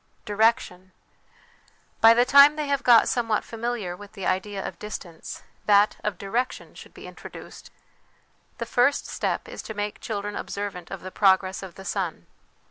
Direction. By the time they have got somewhat familiar with the idea of distance, that of direction should be introduced. The first step is to make children observant of the progress of the sun.